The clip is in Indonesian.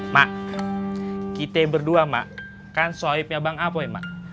mak kita yang berdua mak kan soibnya bang apoy mak